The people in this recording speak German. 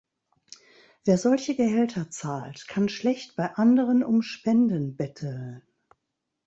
Wer solche Gehälter zahlt, kann schlecht bei anderen um Spenden betteln.